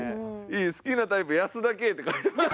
「好きなタイプ保田圭」って。